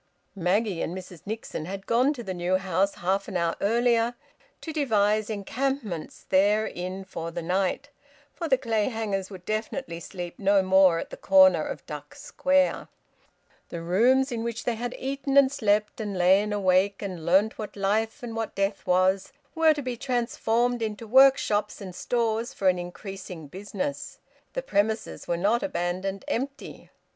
Maggie and Mrs Nixon had gone to the new house half an hour earlier, to devise encampments therein for the night; for the Clayhangers would definitely sleep no more at the corner of Duck Square; the rooms in which they had eaten and slept and lain awake, and learnt what life and what death was, were to be transformed into workshops and stores for an increasing business. The premises were not abandoned empty.